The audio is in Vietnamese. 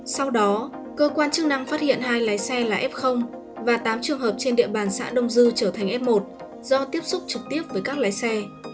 sau đó cơ quan chức năng phát hiện hai lái xe là f và tám trường hợp trên địa bàn xã đông dư trở thành f một do tiếp xúc trực tiếp với các lái xe